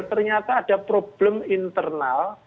ternyata ada problem internal